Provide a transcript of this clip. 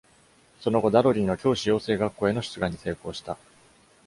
その後、ダドリーの教師養成学校への出願に成功した。